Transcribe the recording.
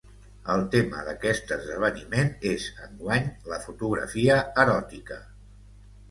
El tema d'aquest esdeveniment és, enguany, la fotografia eròtica.